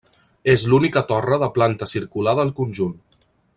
És l'única torre de planta circular del conjunt.